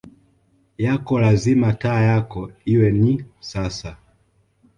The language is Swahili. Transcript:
yako lazima taa yako iwe ni sasa